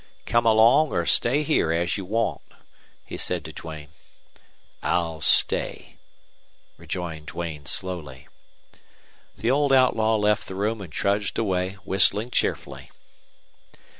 "Come along or stay here, as you want," he said to Duane. "I'll stay," rejoined Duane, slowly. The old outlaw left the room and trudged away, whistling cheerfully.